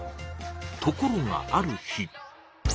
ところがある日。